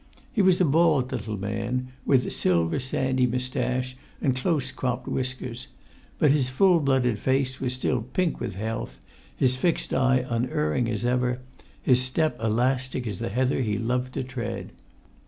He was a bald little man, with silver sandy moustache and close cropped whiskers; but his full blooded face was still pink with health, his fixed eye unerring as ever, his step elastic as the heather he loved to tread.